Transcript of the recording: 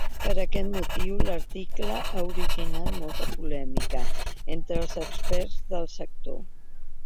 Per aquest motiu, l’article ha originat molta polèmica entre els experts del sector.